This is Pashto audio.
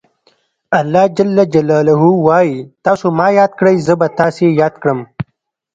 الله ج وایي تاسو ما یاد کړئ زه به تاسې یاد کړم.